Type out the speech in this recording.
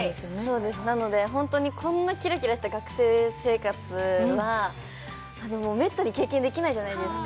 そうです、なので、こんなキラキラした学生生活はめったに経験できないじゃないですか。